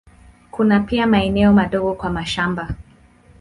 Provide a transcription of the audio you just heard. Kuna pia maeneo madogo kwa mashamba.